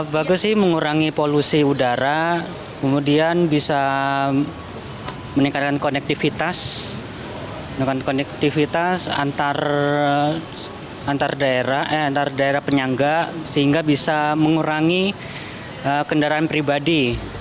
bagus sih mengurangi polusi udara kemudian bisa meningkatkan konektivitas antar daerah penyangga sehingga bisa mengurangi kendaraan pribadi